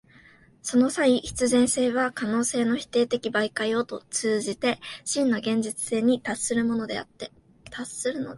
その際、必然性は可能性の否定的媒介を通じて真の現実性に達するのであって、